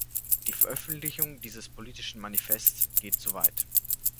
Die Veröffentlichung dieses politischen Manifests geht zu weit.